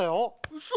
うそ。